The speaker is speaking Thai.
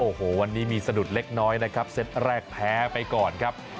โอ้โหวันนี้มีสะดุดเล็กน้อยนะครับเซตแรกแพ้ไปก่อนครับ